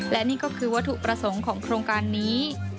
และนี่ก็คือวัตถุประสงค์ของโครงการนี้